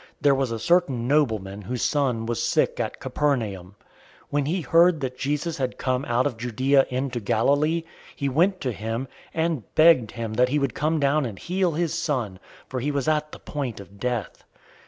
There was a certain nobleman whose son was sick at Capernaum. 004:047 When he heard that Jesus had come out of Judea into Galilee, he went to him, and begged him that he would come down and heal his son, for he was at the point of death.